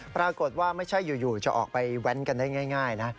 ปรากฏว่าไม่ใช่อยู่จะออกไปแว้นกันได้ง่ายนะ